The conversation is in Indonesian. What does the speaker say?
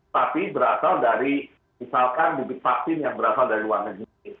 tapi berasal dari misalkan bibit vaksin yang berasal dari luar negeri